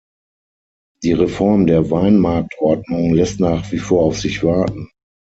Die Reform der Weinmarktordnung lässt nach wie vor auf sich warten.